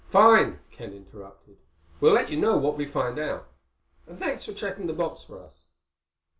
"Fine," Ken interrupted. "We'll let you know what we find out. And thanks for checking the box for us."